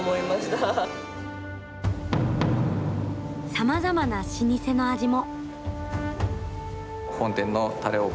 さまざまな老舗の味も。